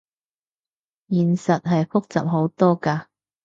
現實係複雜好多㗎